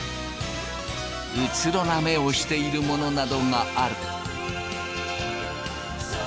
うつろな目をしているものなどがある。